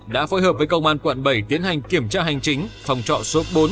đã phối hợp với công an quận bảy tiến hành kiểm tra hành chính phòng trọ số bốn